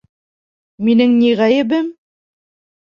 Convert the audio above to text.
Минең ни ғәйебем?